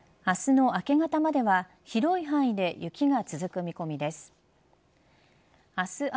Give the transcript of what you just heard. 明日の明け方までは広い範囲で雪が続く見込みです。